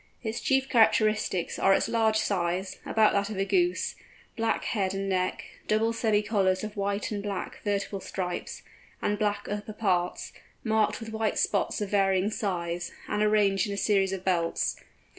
Its chief characteristics are its large size—about that of a Goose—black head and neck, double semi collars of white and black vertical stripes, and black upper parts, marked with white spots of varying size, and arranged in a series of belts.